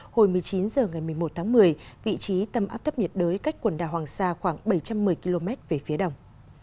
hồi một mươi chín h ngày một mươi một tháng một mươi vị trí tâm áp thấp nhiệt đới cách quần đảo hoàng sa khoảng bảy trăm một mươi km về phía đông